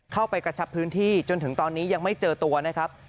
กระชับพื้นที่จนถึงตอนนี้ยังไม่เจอตัวนะครับ